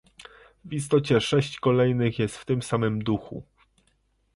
W istocie sześć kolejnych jest w tym samym duchu